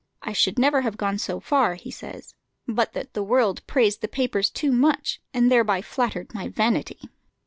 "I should never have gone so far," he says, "but that the world praised the papers too much, and thereby flattered my vanity."